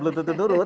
belum ketutup nurut